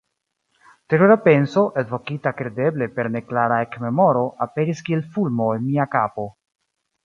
Terura penso, elvokita kredeble per neklara ekmemoro, aperis kiel fulmo en mia kapo.